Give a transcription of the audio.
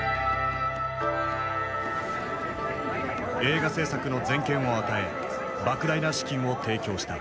映画製作の全権を与え莫大な資金を提供した。